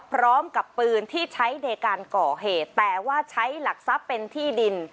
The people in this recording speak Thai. พร้อมกับปืนที่ใช้ในการก่อเหตุแต่ว่าใช้หลักทรัพย์เป็นที่ดิน